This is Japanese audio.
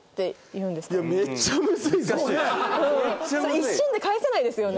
一瞬で返せないですよね。